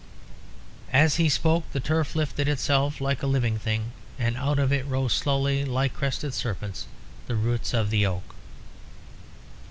As he spoke, the turf lifted itself like a living thing, and out of it rose slowly, like crested serpents, the roots of the oak.